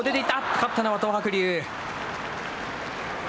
勝ったのは東白龍。